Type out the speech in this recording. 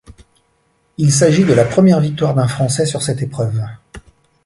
Il s'agit de la première victoire d'un Français sur cette épreuve.